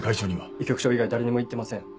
医局長以外誰にも言ってません。